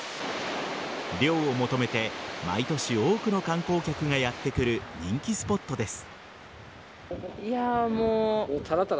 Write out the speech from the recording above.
涼を求めて毎年、多くの観光客がやってくる人気スポットです。